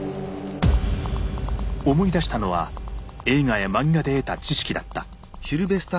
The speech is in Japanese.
思い出したのは映画や漫画で得た知識だった。